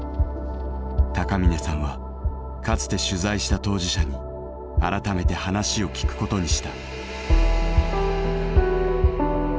高峰さんはかつて取材した当事者に改めて話を聞くことにした。